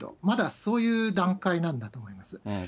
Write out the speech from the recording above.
まだそういう段階なんだと思います。